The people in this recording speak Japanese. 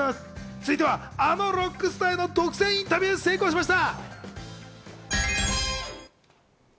続いてはあのロックスターへの独占インタビューに成功しました。